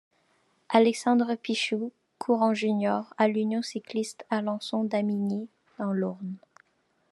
Alexandre Pichot court en juniors à l'Union cycliste Alençon-Damigny, dans l'Orne.